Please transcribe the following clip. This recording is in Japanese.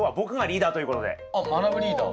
そしてあっまなぶリーダー？